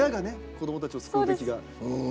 子どもたちを救うべきが。